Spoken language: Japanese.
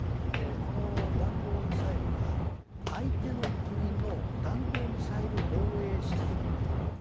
この弾道ミサイルは相手の国の弾道ミサイル防衛システム網